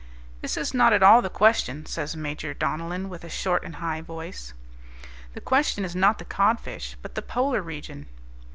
"This is not at all the question," says Major Donellan, with a short and high voice. "The question is not the codfish, but the Polar region."